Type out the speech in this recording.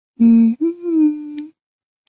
殿试登进士第三甲第一百零九名。